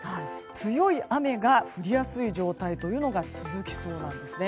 強い雨が降りやすい状態が続きそうなんですね。